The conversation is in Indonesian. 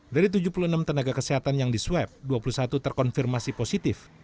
dari tujuh puluh enam tenaga kesehatan yang disweb dua puluh satu terkonfirmasi positif